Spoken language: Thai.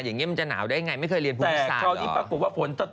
อย่างนี้จริงนาวไหมนาว